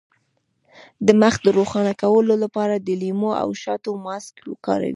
د مخ د روښانه کولو لپاره د لیمو او شاتو ماسک وکاروئ